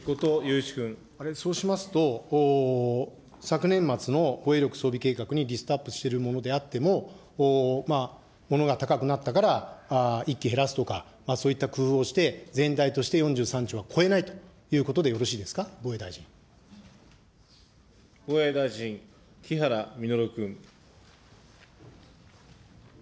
そうしますと、昨年末の防衛力装備計画にリストアップしているものであっても、ものが高くなったから１機減らすとか、そういった工夫をして、全体として４３兆は超えないということでよろしいですか、防衛大防衛大臣、木原稔君。